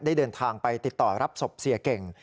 ได้เดินทางไปติดต่อรับศพเสียเก่ง